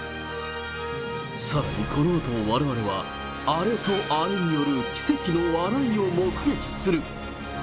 さらにこのあとわれわれは、アレとアレによる奇跡の笑いを目撃する。